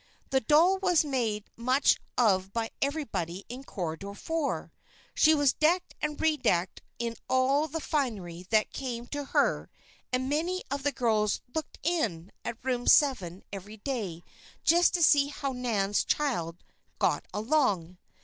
The doll was made much of by everybody in Corridor Four. She was decked and re decked in all the finery that came to her and many of the girls "looked in" at Room Seven every day, just to see how Nan's "child" got along.